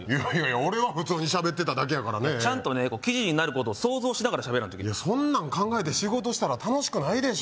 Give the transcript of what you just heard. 俺は普通に喋ってただけやからねちゃんとね記事になることを想像しながら喋らんとそんなん考えて仕事したら楽しくないでしょ